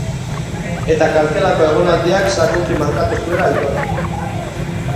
Eta kartzelako egonaldiak sakonki markatu zuela aitortu.